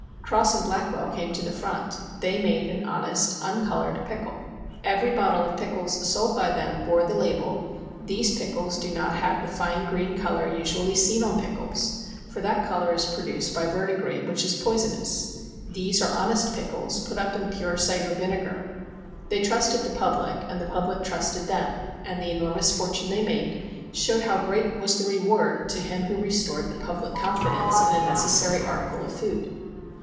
Cross & Blackwell came to the front ; they made an honest, uncolored pickle. Every bottle of pickles sold by them bore the label, " These pickles do not have the fine green color usually seen on pickles, for that color is produced by verdigris, which is poisonous. These are honest pickles, put up in pure cider vinegar." They trusted the public and the public trusted them, and the enormous fortune they made showed how great was the reward to him who restored the public confidence in a necessary article of food.